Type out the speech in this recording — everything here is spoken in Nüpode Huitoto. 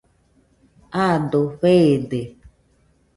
Aado feede.